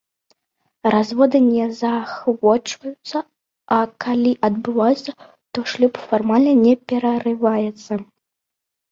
Разводы не заахвочваюцца, а, калі адбываюцца, то шлюб фармальна не перарываецца.